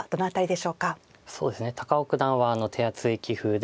そうですね高尾九段は手厚い棋風で。